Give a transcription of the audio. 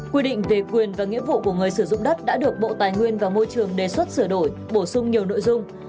quy định về quyền và nghĩa vụ của người sử dụng đất đã được bộ tài nguyên và môi trường đề xuất sửa đổi bổ sung nhiều nội dung